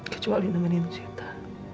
kecuali nemenin sita